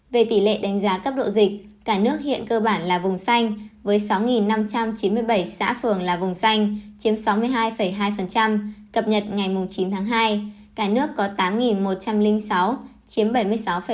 về tỷ lệ đánh giá cấp độ dịch cả nước hiện cơ bản là vùng xanh với sáu năm trăm chín mươi bảy xã phường là vùng xanh chiếm sáu mươi hai hai cập nhật ngày chín tháng hai cả nước có tám một trăm linh sáu chiếm bảy mươi sáu bảy